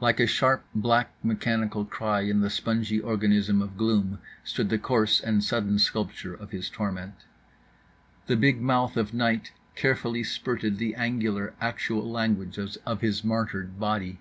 Like a sharp black mechanical cry in the spongy organism of gloom stood the coarse and sudden sculpture of his torment; the big mouth of night carefully spurted the angular actual language of his martyred body.